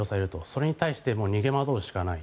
それに対して逃げ惑うしかない。